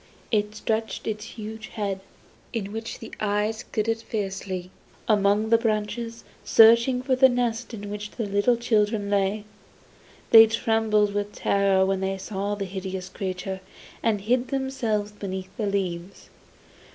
It stretched its huge head, in which the eyes glittered fiercely, among the branches, searching for the nest in which the little children lay. They trembled with terror when they saw the hideous creature, and hid themselves beneath the leaves.